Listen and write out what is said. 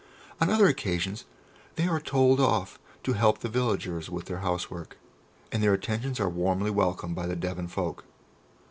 On other occasions they are told off to help the villagers with their housework, and their attentions are warmly welcomed by the Devon folk.